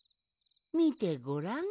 みてごらん。